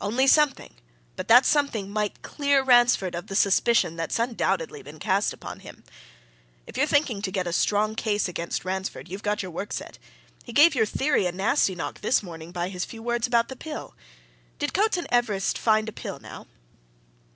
Only something. But that something might clear Ransford of the suspicion that's undoubtedly been cast upon him. If you're thinking to get a strong case against Ransford, you've got your work set. He gave your theory a nasty knock this morning by his few words about that pill. Did Coates and Everest find a pill, now?"